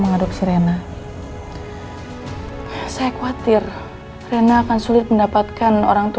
gak ada orang